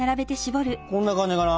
こんな感じかな？